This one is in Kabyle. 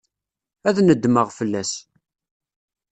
Ad nedmeɣ fell-as.